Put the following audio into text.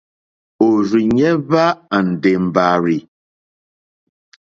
Òrzìɲɛ́ hwá àndè mbàrzì.